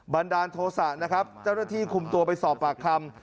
ันดาลโทษะนะครับเจ้าหน้าที่คุมตัวไปสอบปากคำ